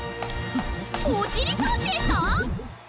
おしりたんていさん！？